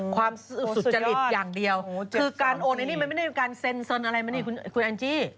ความสุจริตอย่างเดียวคือการโอนอันนี้มันไม่ได้มีการเซ็นเซินอะไรมันมีคุณอันจี้